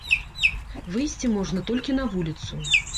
Выйсці можна толькі на вуліцу.